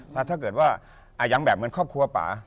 ถ้าเกิดว่ายังแบบเหมือนครอบครัวป่า